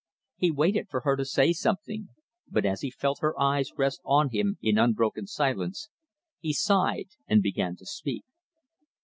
He waited for her to say something, but as he felt her eyes rest on him in unbroken silence he sighed and began to speak.